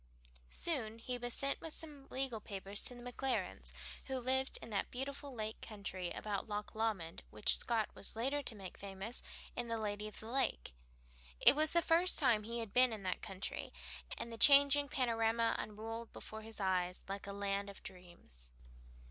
Soon he was sent with some legal papers to the Maclarens, who lived in that beautiful lake country about Loch Lomond which Scott was later to make famous in "The Lady of the Lake." It was the first time he had been in that country, and the changing panorama unrolled before his eyes like a land of dreams.